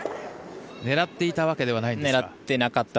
狙っていたわけではないんですか？